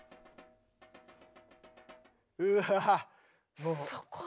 うわ！